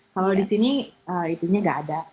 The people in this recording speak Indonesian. kalau di sini itunya nggak ada